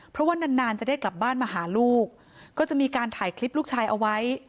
เพราะว่านานนานจะได้กลับบ้านมาหาลูกก็จะมีการถ่ายคลิปลูกชายเอาไว้